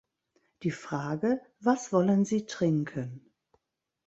Die Frage "Was wollen Sie trinken?